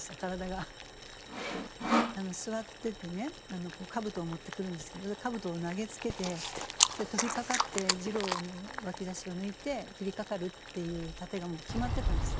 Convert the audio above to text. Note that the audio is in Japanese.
座っててねあの兜を持ってくるんですけど兜を投げつけてそれで飛びかかって次郎の脇差しを抜いて斬りかかるっていう殺陣がもう決まってたんです。